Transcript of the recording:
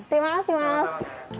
terima kasih mas